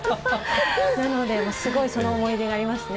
なので、すごいその思い出がありますね。